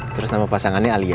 terus nama pasangannya alia